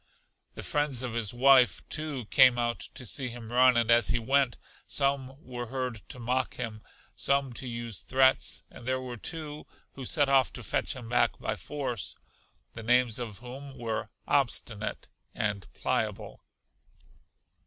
The friends of his wife, too, came out to see him run, and as he went, some were heard to mock him, some to use threats, and there were two who set off to fetch him back by force, the names of whom were Obstinate and Pliable.